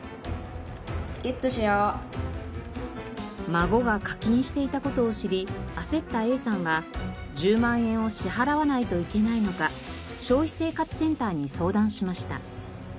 孫が課金していた事を知り焦ったＡさんは１０万円を支払わないといけないのか消費生活センターに相談しました。